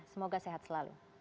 semoga sehat selalu